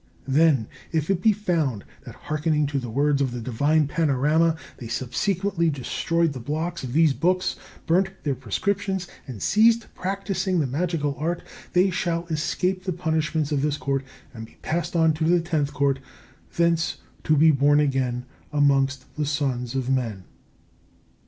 Then, if it be found that, hearkening to the words of the Divine Panorama, they subsequently destroyed the blocks of these books, burnt their prescriptions, and ceased practising the magical art, they shall escape the punishments of this Court and be passed on to the Tenth Court, thence to be born again amongst the sons of men.